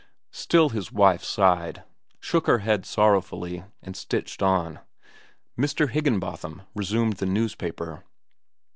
Still his wife sighed, shook her head sorrowfully, and stitched on. Mr. Higginbotham resumed the newspaper.